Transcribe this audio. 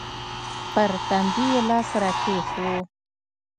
پر تندي يې لاس راکښېښوو.